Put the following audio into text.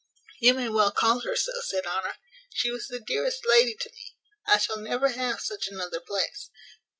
"You may well call her so," said Honour; "she was the dearest lady to me. I shall never have such another place."